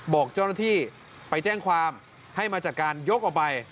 บอกเจ้าหน้าที่ไปแจ้งความให้มาจากการยกออกไป